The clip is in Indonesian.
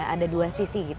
ada dua sisi